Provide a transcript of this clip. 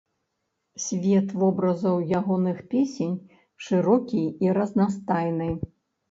Свет вобразаў ягоных песень шырокі і разнастайны.